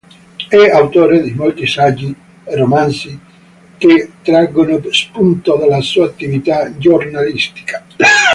È autore di molti saggi e romanzi che traggono spunto dalla sua attività giornalistica.